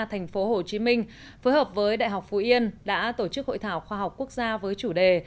tp hcm phối hợp với đại học phú yên đã tổ chức hội thảo khoa học quốc gia với chủ đề